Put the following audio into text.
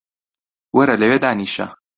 وەرە لەوێ دانیشە